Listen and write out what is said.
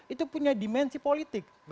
itu punya dimensi politik